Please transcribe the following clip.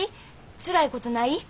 つらいことない？